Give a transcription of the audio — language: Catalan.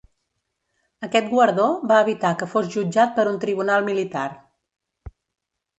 Aquest guardó va evitar que fos jutjat per un tribunal militar.